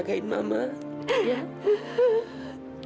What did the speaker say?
anak kamu yang bisa bebas